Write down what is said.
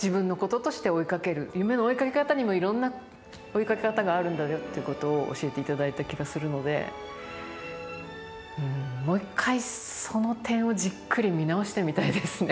夢の追いかけ方にもいろんな追いかけ方があるんだよっていうことを教えていただいた気がするのでうんもう一回その点をじっくり見直してみたいですね